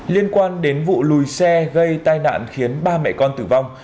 liên quan đến vụ lùi xe gây tai nạn khiến ba mẹ con tử vong